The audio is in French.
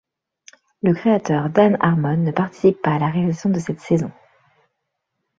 Le créateur Dan Harmon ne participe pas à la réalisation de cette saison.